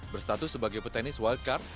berstatus sebagai petenis wildcard